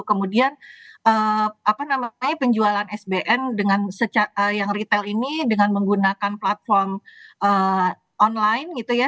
kemudian apa namanya penjualan sbn yang retail ini dengan menggunakan platform online gitu ya